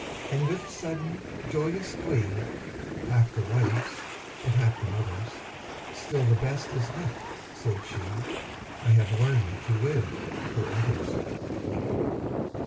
And with sudden, joyous glee, Half the wife's and half the mother's, "Still the best is left," said she: "I have learned to live for others."